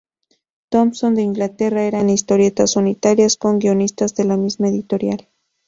Thompson de Inglaterra, eran historietas unitarias con guionistas de la misma editorial.